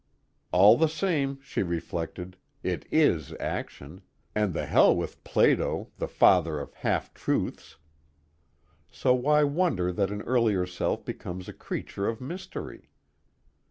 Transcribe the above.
_ All the same, she reflected, it is action, and the hell with Plato the Father of Half Truths. So why wonder that an earlier self becomes a creature of mystery?